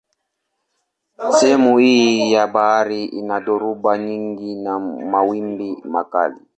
Sehemu hii ya bahari ina dhoruba nyingi na mawimbi makali.